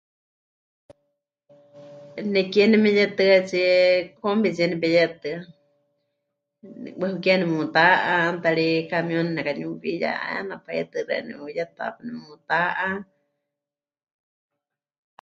Nekie nemeyetɨatsie combitsie nepeyetɨa. Huejuquilla nemutá'a, 'aana ta ri camión nekaniuwiya, 'eena paitɨ xeeníu Yetaápa nemutá'a.